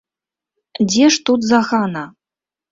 Дзе ж тут загана?